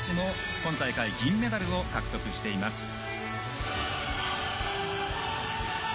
今大会、銀メダルを獲得しています。